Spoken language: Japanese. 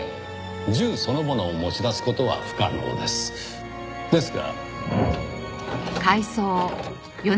銃そのものを持ち出す事は不可能です。ですが。